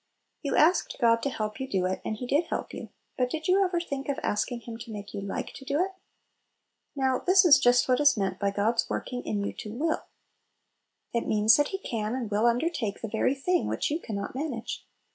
You asked God to help you to do it, and He did help you; but did you ever think of asking Him to make you like to do it? Little Pillows. 37 Now, this is just what is meant by God's "working in you to will" It means that He can and will under take the very thing which you can not manage!